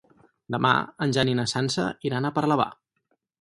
Demà en Jan i na Sança iran a Parlavà.